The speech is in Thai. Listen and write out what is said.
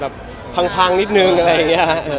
เข้าใจพลังเต็มที่